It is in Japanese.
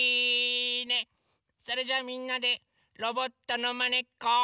それじゃあみんなでロボットのまねっこ。